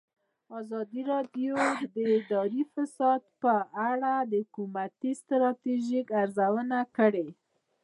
ازادي راډیو د اداري فساد په اړه د حکومتي ستراتیژۍ ارزونه کړې.